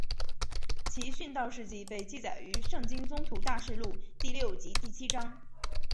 其殉道事迹被记载于圣经宗徒大事录第六及第七章。